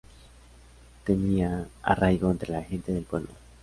Tenía arraigo entre la gente del pueblo.